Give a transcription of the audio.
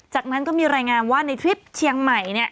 จากนั้นก็มีรายงานว่าในทริปเชียงใหม่เนี่ย